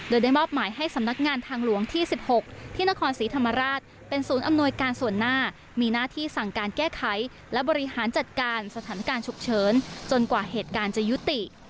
โดยได้มอบหมายให้สำนักงานทางหลวงที่๑๖ที่นครศรีธรรมราชเป็นศูนย์อำนวยการส่วนหน้ามีหน้าที่สั่งการแก้ไขและบริหารจัดการสถานการณ์ฉุกเฉินจนกว่าเหตุการณ์จะยุติ